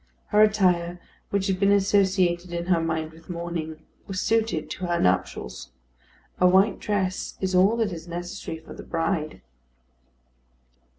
Her attire, which had been associated in her mind with mourning, was suited to her nuptials. A white dress is all that is necessary for the bride.